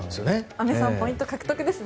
安部さんポイント獲得ですね。